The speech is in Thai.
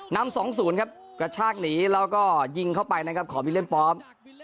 นำสองศูนย์นะครับกระชากหนีแล้วก็ยิงเข้าไปนะครับของวิเล็นด์ปอป